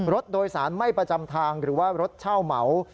รถโดยสารไม่ประจำทางหรือว่ารถเช่าเหมา